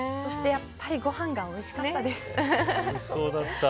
そしてやっぱりご飯がおいしかったです。